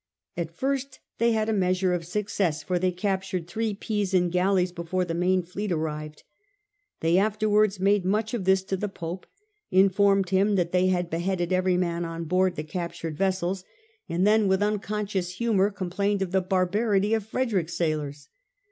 At first they had a measure of success, for they captured three Pisan galleys before the main fleet arrived. They afterwards made much of this to the Pope, informed him that they had beheaded every man on board the captured vessels, and then, THE CAPTURED COUNCIL 197 with unconscious humour, complained of the barbarity of Frederick's sailors.